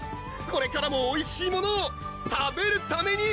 これからもおいしいものを食べるために！